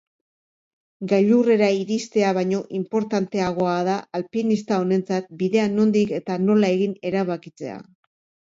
Gailurrera iristea baino inportanteagoa da alpinista honentzat bidea nondik eta nola egin erabakitzea.